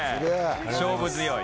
勝負強い。